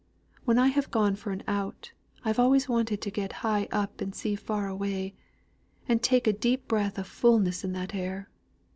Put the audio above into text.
When I have gone for an out, I've always wanted to get high up and see far away, and take a deep breath o' fulness in that air.